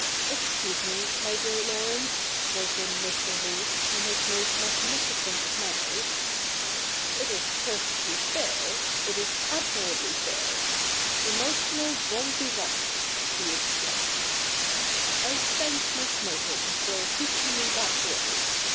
' Excuse me, my dear Laurence,' broke in Mr. Luke, in his most magnificent of manners, ' it is perfectly fair — it is admirably fair. Emotional bon viva/it '.' he exclaimed. ' I thank Miss Merton for teaching me that word